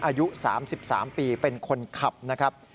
อายุ๓๓ปีเป็นคนขับนะครับ